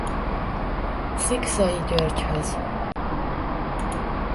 Szikszay Györgyhöz.